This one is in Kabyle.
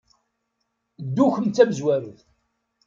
Ddu kemm d tamezwarut.